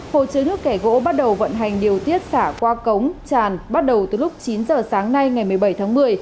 hồ chứa nước kẻ gỗ bắt đầu vận hành điều tiết xả qua cống tràn bắt đầu từ lúc chín giờ sáng nay ngày một mươi bảy tháng một mươi